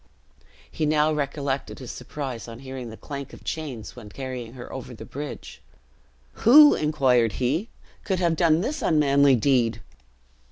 He now recollected his surprise on hearing the clank of chains, when carrying her over the bridge. "Who," inquired he, "could have done this unmanly deed?"